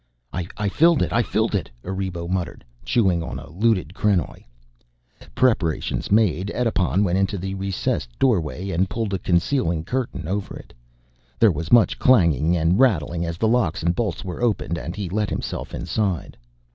"I filled it, I filled it," Erebo muttered, chewing on a looted krenoj. Preparations made, Edipon went into the recessed doorway and pulled a concealing curtain over it. There was much clanking and rattling as the locks and bolts were opened and he let himself inside.